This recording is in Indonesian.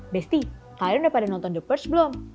besti kalian udah pada nonton the purge belum